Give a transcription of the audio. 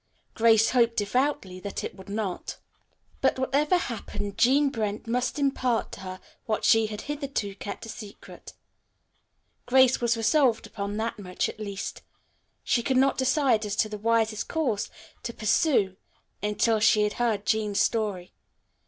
Grace hoped devoutly that it would not. But whatever happened Jean Brent must impart to her what she had hitherto kept a secret. Grace was resolved upon that much, at least. She could not decide as to the wisest course to pursue until she had heard Jean's story.